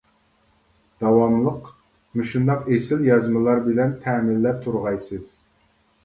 داۋاملىق مۇشۇنداق ئېسىل يازمىلار بىلەن تەمىنلەپ تۇرغايسىز.